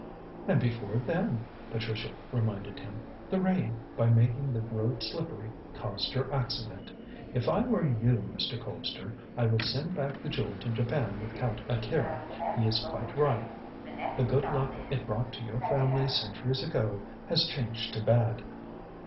"And before then," Patricia reminded him. "The rain, by making the road slippery, caused your accident. If I were you, Mr. Colpster, I would send back the jewel to Japan with Count Akira. He is quite right: the good luck it brought to your family centuries ago has changed to bad."